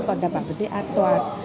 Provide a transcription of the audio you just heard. còn đảm bảo vấn đề an toàn